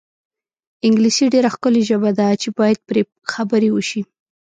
انګلیسي ډېره ښکلې ژبه ده چې باید پرې خبرې وشي.